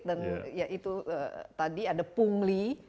dan ya itu tadi ada pungli